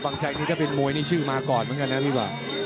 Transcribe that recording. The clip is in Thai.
บังชัยนี่ก็เป็นมวยชื่อมาก่อนเหมือนกันครับ